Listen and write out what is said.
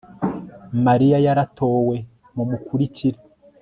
mariya yaratowe mumukurikire